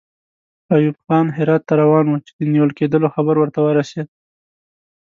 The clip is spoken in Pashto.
ایوب خان هرات ته روان وو چې د نیول کېدلو خبر ورته ورسېد.